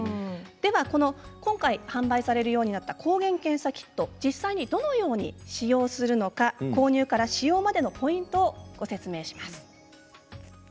今回、販売されるようになった、抗原検査キット実際どのように利用するのか購入から使用までのポイントをご紹介します。